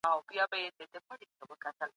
د دوی د تعلیم هدف د مسیحیت تبلیغ و.